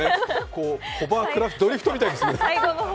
ホバークリフト、ドリフトみたいですね。